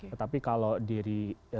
tetapi kalau dari